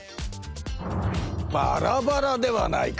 バラバラではないか！